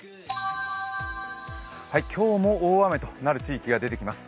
今日も大雨となる地域が出てきます。